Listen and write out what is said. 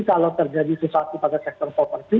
kalau terjadi susah susah pada sektor properti